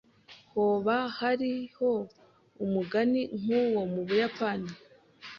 Hoba hariho n'umugani nk'uwo mu Buyapani?